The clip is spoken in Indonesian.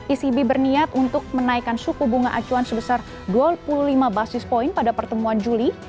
ecb berniat untuk menaikkan suku bunga acuan sebesar dua puluh lima basis point pada pertemuan juli